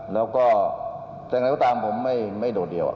และแสดงทั้งทางผมไม่โดดเดี่ยว